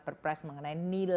carbon market yang kredibel